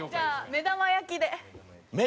「目玉焼き」？